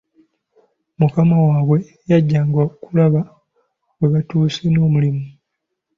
Mukama waabwe yajjanga kulaba webatuuse n'omulimu.